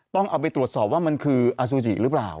ต้องเอาไปตรวจสอบว่ามันคืออสุจิหรือเปล่า